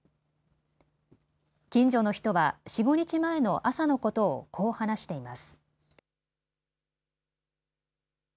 近所の人は４、５日前の朝のことをこう話しています。